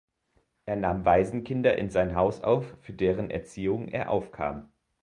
Er nahm Waisenkinder in sein Haus auf, für deren Erziehung er aufkam.